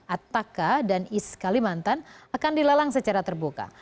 ataka dan east kalimantan akan dilelang secara terbuka